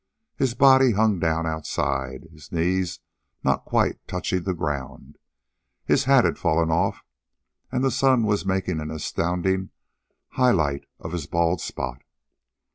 His body hung down outside, the knees not quite touching the ground. His hat had fallen off, and the sun was making an astounding high light on his bald spot.